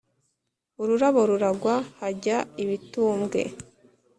ururabo ruragwa hajya ibitumbwe,